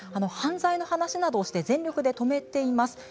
犯罪の話などをして全力で止めています。